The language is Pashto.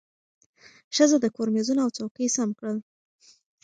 ښځه د کور مېزونه او څوکۍ سم کړل